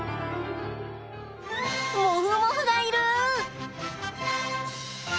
モフモフがいる！